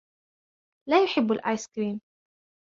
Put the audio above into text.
لا يحب الآيس كريم.